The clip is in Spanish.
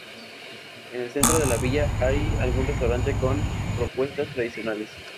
En el centro de la villa hay algún restaurante con propuestas tradicionales.